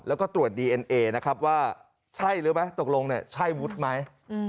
แล้วก็ตรวจดีเอ็นเอนะครับว่าใช่หรือไหมตกลงเนี่ยใช่วุฒิไหม